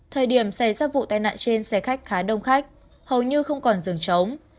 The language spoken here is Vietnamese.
thời điểm xảy ra vụ tai nạn trên xe khách khá đông khách hầu như không còn rừng trống